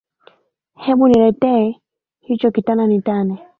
Hebu nletee hicho kitana nitane